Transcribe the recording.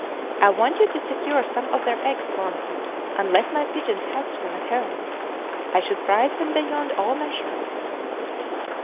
I want you to secure some of their eggs for me, and let my pigeons hatch them at home. I should prize them beyond all measure."